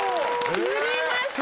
切りました。